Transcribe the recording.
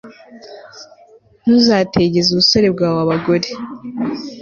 ntuzategeze ubusore bwawe abagore